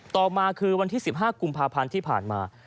ต่อมาคือวันที่๑๕กุมภาพันธ์ที่ผ่านมา